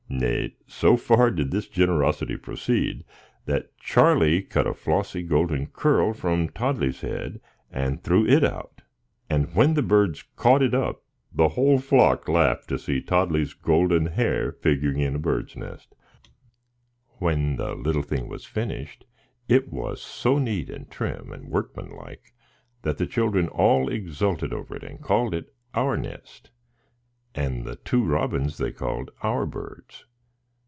Nay, so far did this generosity proceed, that Charlie cut a flossy, golden curl from Toddlie's head and threw it out; and when the birds caught it up the whole flock laughed to see Toddlie's golden hair figuring in a bird's nest. When the little thing was finished, it was so neat, and trim, and workman like, that the children all exulted over it, and called it "our nest," and the two robins they called "our birds."